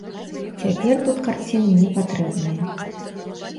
Цяпер тут карціны не патрэбныя.